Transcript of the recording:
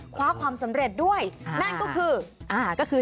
คว้าความสำเร็จด้วยนั่นก็คือ